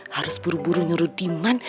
harus buru buru nyuruh demand